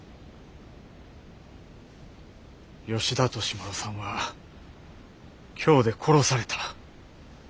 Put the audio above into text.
吉田稔麿さんは京で殺された。